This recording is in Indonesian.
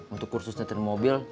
untuk kursusnya tren mobil